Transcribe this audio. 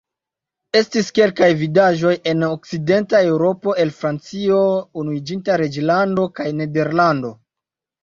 Estis kelkaj vidaĵoj en Okcidenta Eŭropo el Francio, Unuiĝinta Reĝlando kaj Nederlando.